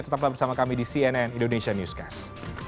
tetaplah bersama kami di cnn indonesia newscast